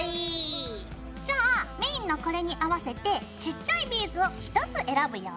じゃあメインのこれに合わせてちっちゃいビーズを１つ選ぶよ。